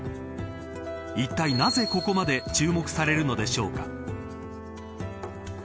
いったいなぜここまで注目されるのでしょうか。